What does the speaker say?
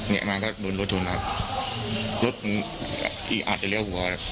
แง่งั้นถ้าบนรถชนครับรถอีอัดไปเลี้ยวหัว